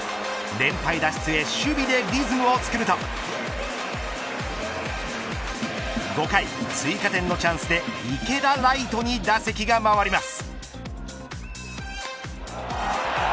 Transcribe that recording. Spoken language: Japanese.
連敗脱出へ守備でリズムをつくると５回、追加点のチャンスで池田来翔に打席が回ります。